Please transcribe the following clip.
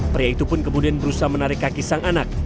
pria itu pun kemudian berusaha menarik kaki sang anak